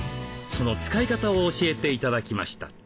その使い方を教えて頂きました。